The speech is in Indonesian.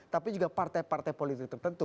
tapi juga partai partai politik tertentu